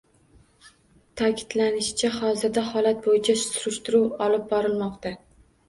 Ta’kidlanishicha, hozirda holat bo‘yicha surishtiruv olib borilmoqda